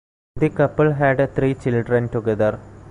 The couple had three children together.